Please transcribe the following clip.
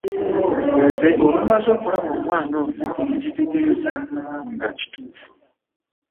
Nze olwamaze okulaba omwana oyo nekitegeera nga kituufu.